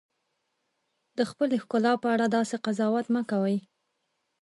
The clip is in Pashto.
د خپلې ښکلا په اړه داسې قضاوت مه کوئ.